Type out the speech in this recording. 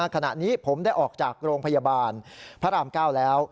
ขณะนี้ผมได้ออกจากโรงพยาบาลพระราม๙แล้ว